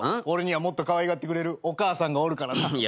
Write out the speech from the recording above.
俺にはもっとかわいがってくれるお母さんがおるからな。